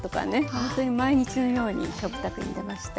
ほんとに毎日のように食卓に出ました。